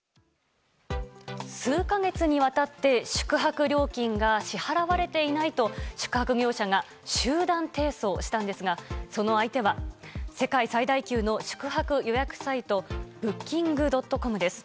数か月にわたって宿泊料金が支払われていないと宿泊業者が集団提訴したんですがその相手は世界最大級の宿泊予約サイトブッキングドットコムです。